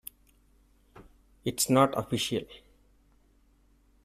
'It's not official.